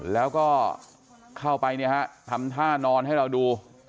แล้วก็เข้าไปเนี่ยฮะทำท่านอนให้เราดู